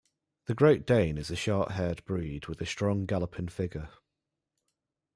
The Great Dane is a short-haired breed with a strong, galloping figure.